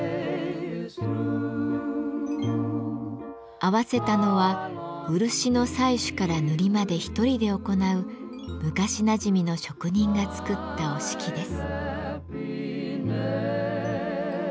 合わせたのは漆の採取から塗りまで１人で行う昔なじみの職人が作った折敷です。